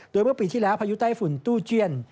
โดยเมื่อปีที่แล้วพายุใต้ฝุ่นตู้เจียน